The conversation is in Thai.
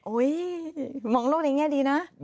มองโลกในแง่ดีนะ